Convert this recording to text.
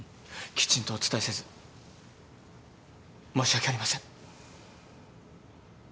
きちんとお伝えせず申し訳ありません。